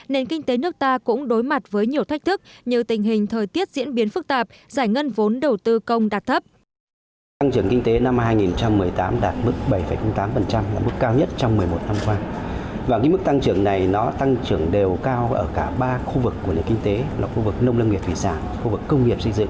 nền kinh tế nước ta cũng đối mặt với nhiều thách thức như tình hình thời tiết diễn biến phức tạp giải ngân vốn đầu tư công đạt thấp